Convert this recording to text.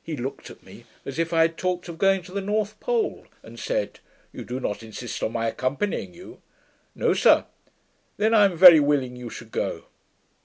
He looked at me, as if I had talked of going to the North Pole, and said, 'You do not insist on my accompanying you?' 'No, sir.' 'Then I am very willing you should go.'